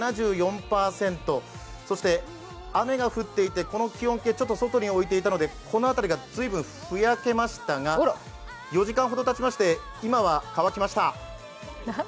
湿度が７４％、そして雨が降っていてこの気温計、外に置いていたので、この辺りが随分ふやけましたが、４時間ほどたちまして今は乾きました。